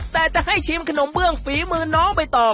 แต่จะให้ชิมขนมเบื้องฝีมือน้องใบตอง